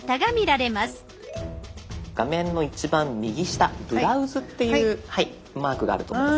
画面の一番右下「ブラウズ」っていうマークがあると思います